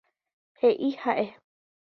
He'i ha'e.